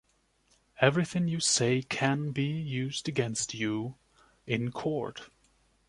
Everything you say can be used against you in court.